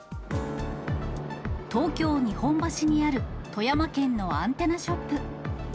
東京・日本橋にある富山県のアンテナショップ。